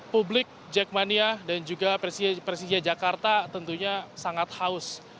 publik jackmania dan juga persija jakarta tentunya sangat haus